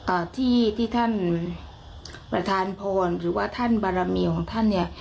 อ่าที่ที่ท่านประธานพรหรือว่าท่านบารมีของท่านเนี่ย